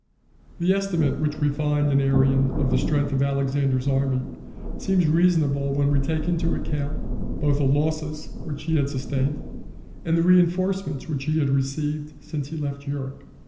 The estimate which we find in Arrian of the strength of Alexander's army, seems reasonable when we take into account both the losses which he had sustained, and the reinforcements which he had received since he left Europe.